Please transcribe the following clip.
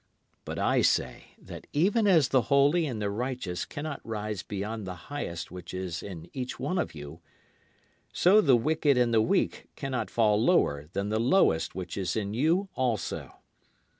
But I say that even as the holy and the righteous cannot rise beyond the highest which is in each one of you, So the wicked and the weak cannot fall lower than the lowest which is in you also.